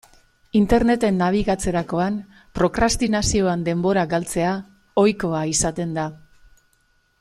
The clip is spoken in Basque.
Interneten nabigatzerakoan, prokrastinazioan denbora galtzea ohikoa izaten da.